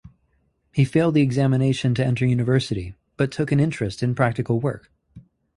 He failed the examination to enter university but took an interest in practical work.